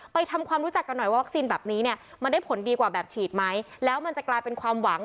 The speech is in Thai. ทำความรู้จักกันหน่อยว่าวัคซีนแบบนี้เนี่ยมันได้ผลดีกว่าแบบฉีดไหมแล้วมันจะกลายเป็นความหวัง